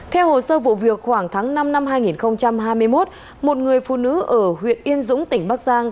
theo hồ sơ vụ việc khoảng tháng năm năm hai nghìn hai mươi một một người phụ nữ ở huyện yên dũng tỉnh bắc giang